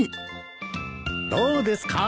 どうですか？